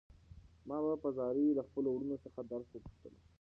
ما به په زاریو له خپلو وروڼو څخه درس پوښتلو.